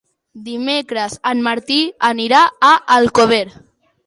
Dimecres en Martí anirà a Alcover.